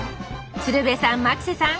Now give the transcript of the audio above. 鶴瓶さん牧瀬さん